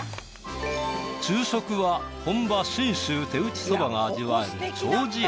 昼食は本場信州手打ちそばが味わえる丁子庵。